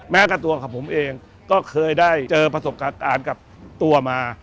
กับตัวของผมเองก็เคยได้เจอประสบการณ์กับตัวมา